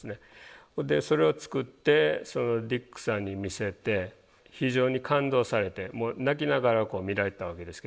それを作ってディックさんに見せて非常に感動されてもう泣きながら見られてたわけですけど。